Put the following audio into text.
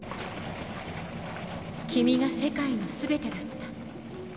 「君が世界の全てだった」。